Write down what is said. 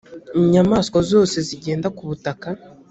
inyamaswa zose zigenda ku butaka .